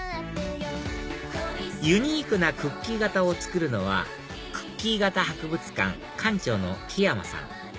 ユニークなクッキー型を作るのはクッキー型博物館館長の木山さん